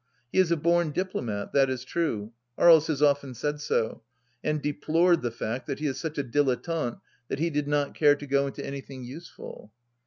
He is a born diplomat, that is true. Aries has often said so, and deplored the fact that he is such a dilettante that he did not care to go into anything useful.